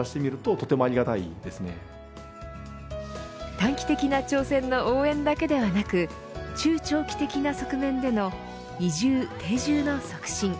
短期的な挑戦の応援だけではなく中長期的な側面での移住、定住の促進。